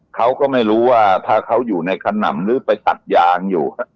เขาก็ไม่รู้ว่าถ้าเขาอยู่ในขนำหรือไปตัดยางอยู่